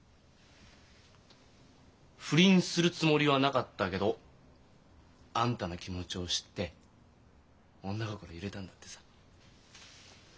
不倫するつもりはなかったけどあんたの気持ちを知って女心揺れたんだってさ。